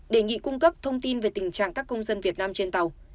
đề nghị cung cấp thông tin về tình trạng các công dân việt nam trên tàu